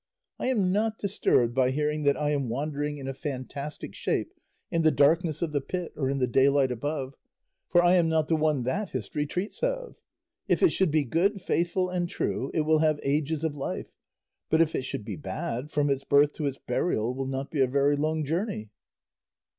I am not disturbed by hearing that I am wandering in a fantastic shape in the darkness of the pit or in the daylight above, for I am not the one that history treats of. If it should be good, faithful, and true, it will have ages of life; but if it should be bad, from its birth to its burial will not be a very long journey."